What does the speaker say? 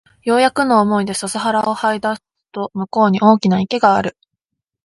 ようやくの思いで笹原を這い出すと向こうに大きな池がある